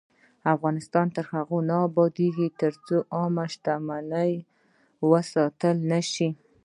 افغانستان تر هغو نه ابادیږي، ترڅو عامه شتمني وساتل نشي.